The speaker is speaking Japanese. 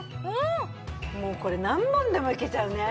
もうこれ何本でもいけちゃうね。